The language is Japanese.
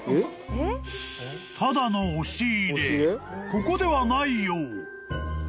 ［ここではないよう］